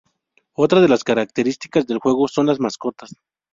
Otra de las características del juego son las mascotas.